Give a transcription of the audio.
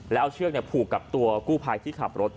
แล้วเอาเชือกผูกกับตัวกู้ภัยที่ขับรถ